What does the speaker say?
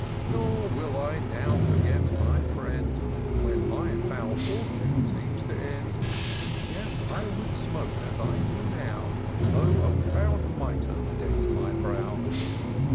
Nor will I now forget my firiend. When my foul fortune seems to mend : Yes, I would smoke as I do now, Though a proud mitre deck'd my brow.